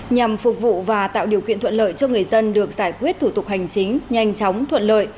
nhằm phục vụ và tạo điều kiện thuận lợi cho người dân được giải quyết thủ tục hành chính nhanh chóng thuận lợi